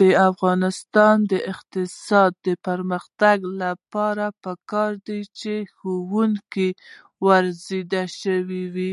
د افغانستان د اقتصادي پرمختګ لپاره پکار ده چې ښوونکي وروزل شي.